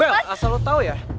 bel asal lo tau ya